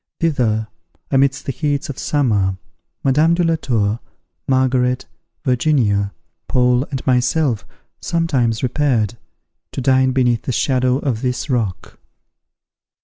Thither, amidst the heats of summer, Madame de la Tour, Margaret, Virginia, Paul, and myself, sometimes repaired, to dine beneath the shadow of this rock.